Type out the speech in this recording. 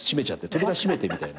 扉閉めてみたいな。